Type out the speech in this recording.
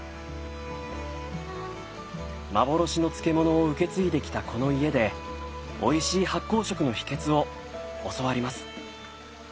幻の漬物を受け継いできたこの家でおいしい発酵食の秘けつを教わります。